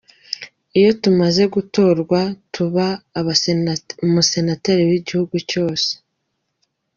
Iyo tumaze gutorwa uba umusenateri w’igihugu cyose.